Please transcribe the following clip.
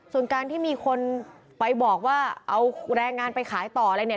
ส่วนการที่มีคนไปบอกว่าเอาแรงงานไปขายต่ออะไรเนี่ย